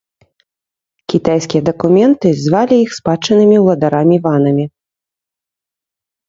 Кітайскія дакументы звалі іх спадчыннымі ўладарамі-ванамі.